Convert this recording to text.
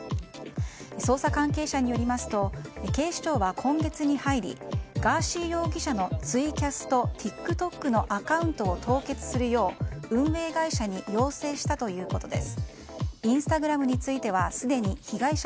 捜査関係者によりますと警視庁は今月に入りガーシー容疑者のツイキャスとＴｉｋＴｏｋのアカウントを凍結するよう運営会社に要請したということです。